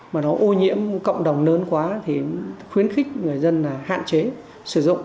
mà nó ô nhiễm cộng đồng lớn quá thì khuyến khích người dân là hạn chế sử dụng